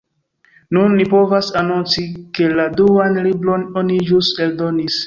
Nun ni povas anonci, ke la duan libron oni ĵus eldonis.